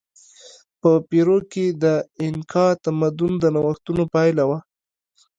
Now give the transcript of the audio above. په پیرو کې د اینکا تمدن د نوښتونو پایله وه.